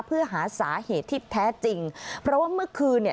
เพื่อหาสาเหตุที่แท้จริงเพราะว่าเมื่อคืนเนี่ย